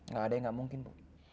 gak ada yang gak mungkin bu